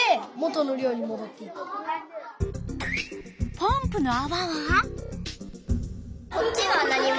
ポンプのあわは？